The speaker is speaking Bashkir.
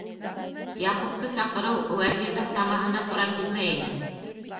Яҡупты саҡырыу Вәзирҙең самаһына тура килмәй ине.